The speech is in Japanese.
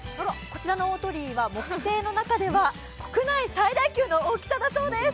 こちらの大鳥居は木製の中では国内最大級の大きさだそうです。